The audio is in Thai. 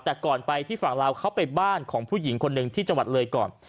แต่ก่อนไปที่ฝั่งลาวเขาไปบ้านของผู้หญิงคนหนึ่งที่จังหวัดเลยก่อน